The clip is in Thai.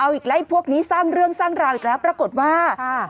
เอาอีกไล่พวกนี้สร้างเรื่องสร้างราวอีกแล้วปรากฏว่า